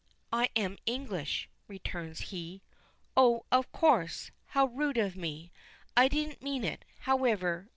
"I am English," returns he. "Oh! Of course! How rude of me! I didn't mean it, however.